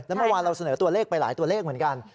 แล้วเมื่อวานเราเสนอตัวเลขไปหลายตัวเลขเหมือนกัน